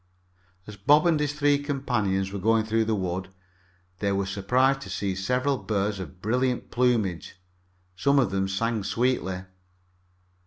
As Bob and his three companions were going through the wood, they were surprised to see several birds of brilliant plumage. Some of them sang sweetly.